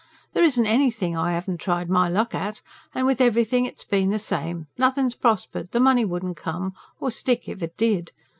There isn't anything I haven't tried my luck at, and with everything it's been the same. Nothin's prospered; the money wouldn't come or stick if it did.